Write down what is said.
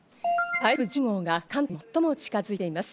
台風１０号が関東に最も近づいています。